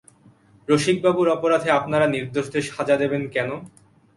রসিকবাবুর অপরাধে আপনারা নির্দোষদের সাজা দেবেন কেন?